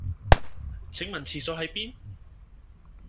請問廁所喺邊？